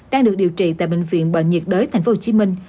đang được điều trị tại bệnh viện bệnh nhiệt đới tp hcm